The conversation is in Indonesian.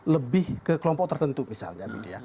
lebih ke kelompok tertentu misalnya